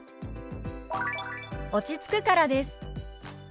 「落ち着くからです」。